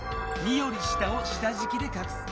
２より下を下じきでかくす。